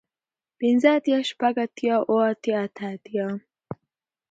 پنځۀ اتيا شپږ اتيا اووه اتيا اتۀ اتيا